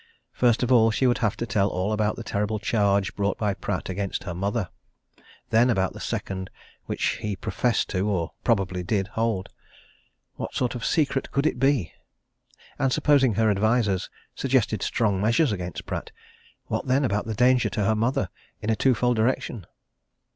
First of all, she would have to tell all about the terrible charge brought by Pratt against her mother. Then about the second which he professed to or probably did hold. What sort of a secret could it be? And supposing her advisers suggested strong measures against Pratt what then, about the danger to her mother, in a twofold direction?